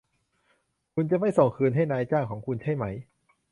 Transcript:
คุณจะไม่ส่งคืนให้นายจ้างของคุณใช่ไหม